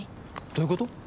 どういうこと？